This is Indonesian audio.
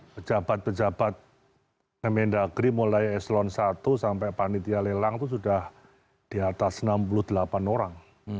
pejabat pejabat kementerian negeri mulai eslon satu sampai panitia lelang itu sudah di atas enam puluh delapan orang